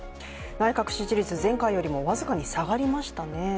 内閣支持率、前回よりも僅かに下がりましたね。